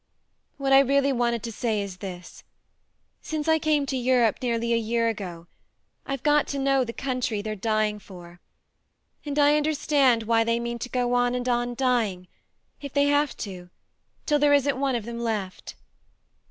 "What I really wanted to say is this. Since I came to Europe, nearly a year ago, I've got to know the country they're dying for and I under stand why they mean to go on and on dying if they have to till there isn't one of them left.